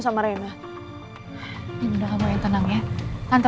sampai bertemu di mediasi selanjutnya